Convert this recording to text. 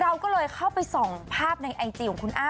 เราก็เลยเข้าไปส่องภาพในไอจีของคุณอ้า